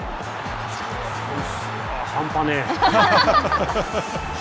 半端ねえ。